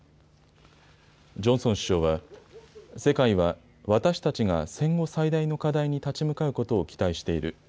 ジョンソン首相は、世界は私たちが戦後最大の課題に立ち向かうことを期待している。